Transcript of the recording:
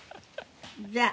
じゃあ。